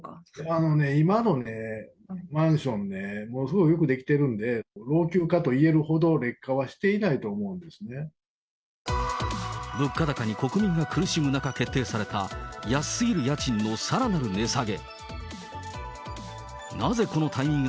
あのね、今のね、マンションね、ものすごくよくできてるんで、老朽化といえるほど劣化はしていな物価高に国民が苦しむ中、決定された安すぎる家賃のさらなる値下げ。